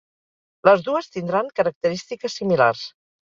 Les dues tindran característiques similars.